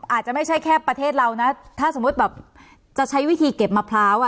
อาจจะไม่ใช่แค่ประเทศเรานะถ้าสมมุติแบบจะใช้วิธีเก็บมะพร้าวอ่ะ